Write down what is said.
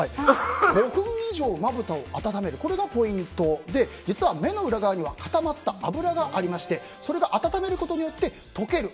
５分以上まぶたを温めるのがポイントで実は目の裏側には固まった油がありましてそれが温めることによって溶ける。